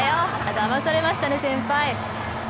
だまされましたね、先輩。